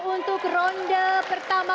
untuk ronde pertama